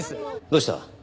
どうした？